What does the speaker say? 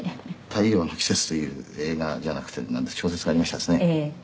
「『太陽の季節』という映画じゃなくて小説がありましてですね」